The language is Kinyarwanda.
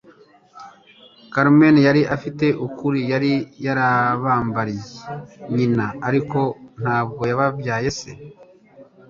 Carmen yari afite ukuri; yari yarababariye nyina ariko ntabwo yabyaye se.